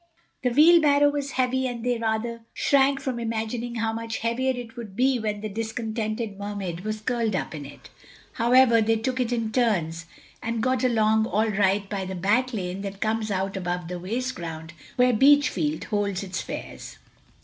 The wheelbarrow was heavy and they rather shrank from imagining how much heavier it would be when the discontented Mermaid was curled up in it. However, they took it in turns, and got along all right by the back lane that comes out above the waste ground where Beachfield holds its fairs.